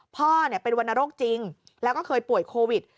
พ่อเป็นวรรณโรคจริงแล้วก็เคยป่วยโควิด